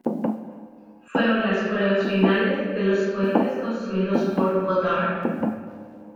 Fueron las pruebas finales de los cohetes construidos por Goddard.